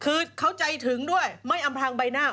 คือเขาใจถึงด้วยไม่อำพลางใบหน้า